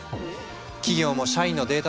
企業も社員のデータ